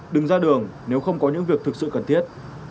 đừng ra đường nếu không có những việc thực sự cần thiết